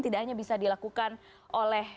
tidak hanya bisa dilakukan oleh